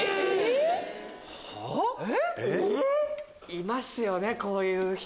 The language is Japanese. いますよねこういう人。